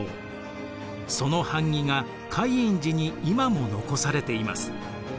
その版木が海印寺に今も残されています。